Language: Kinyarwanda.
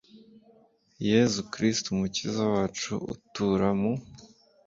yezu kristu mukiza wacu, utura mu